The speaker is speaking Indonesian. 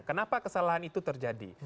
kenapa kesalahan itu terjadi